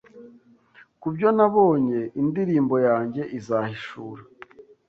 Kubyo nabonye indirimbo yanjye izahishura